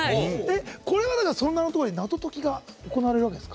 これはその名のとおり謎解きが行われるわけですか？